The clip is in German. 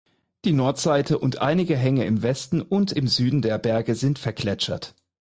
Die Nordseite und einige Hänge im Westen und im Süden der Berge sind vergletschert.